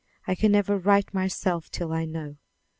I can never right myself till I know."